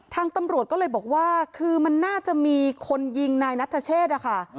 ทางตำรวจก็เลยบอกว่าคือมันน่าจะมีคนยิงนายนัทเชษนะคะ